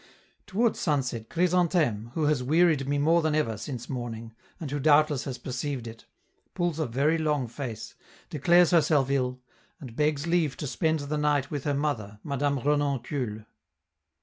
Toward sunset, Chrysantheme, who has wearied me more than ever since morning, and who doubtless has perceived it, pulls a very long face, declares herself ill, and begs leave to spend the night with her mother, Madame Renoncule.